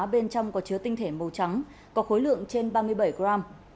bên trong có chứa tinh thể màu trắng có khối lượng trên ba mươi bảy gram